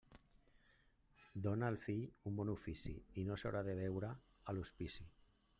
Dóna al teu fill un bon ofici i no s'haurà de veure a l'hospici.